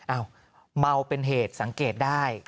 อ้าวเมาเป็นเหตุสังเกตได้